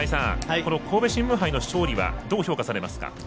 この神戸新聞杯の勝利はどう評価されますか？